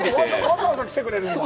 わざわざ来てくれるんだ。